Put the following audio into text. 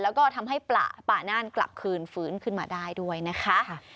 แล้วก็ทำให้ป่าน่านกลับคืนฟื้นขึ้นมาได้ด้วยนะคะ